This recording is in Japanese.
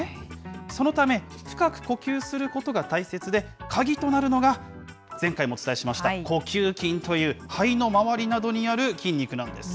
そのため、深く呼吸することが大切で、鍵となるのが、前回もお伝えしました、呼吸筋という肺の周りなどにある筋肉なんです。